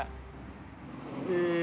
え